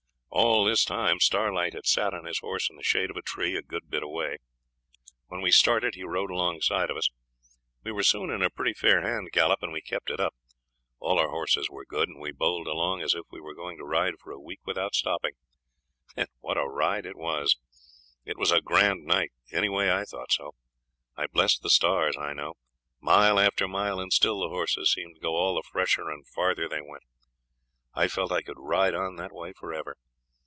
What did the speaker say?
All this time Starlight had sat on his horse in the shade of a tree a good bit away. When we started he rode alongside of us. We were soon in a pretty fair hand gallop, and we kept it up. All our horses were good, and we bowled along as if we were going to ride for a week without stopping. What a ride it was! It was a grand night, anyway I thought so. I blessed the stars, I know. Mile after mile, and still the horses seemed to go all the fresher the farther they went. I felt I could ride on that way for ever.